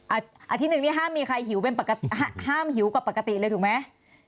อาทิตย์หนึ่งนี้ห้ามมีใครหิวกว่าปกติเลยถูกไหม